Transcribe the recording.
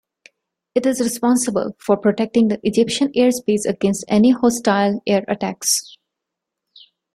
It is responsible for protecting the Egyptian airspace against any hostile air attacks.